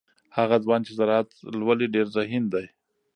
هغه ځوان چې زراعت لولي ډیر ذهین دی.